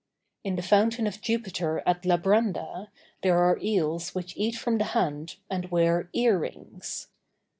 In the fountain of Jupiter at Labranda, there are eels which eat from the hand, and wear earrings.